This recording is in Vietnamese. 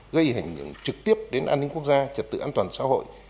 gây hình trực tiếp đến an ninh quốc gia trật tự an toàn xã hội